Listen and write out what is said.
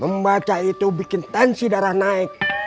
membaca itu bikin tensi darah naik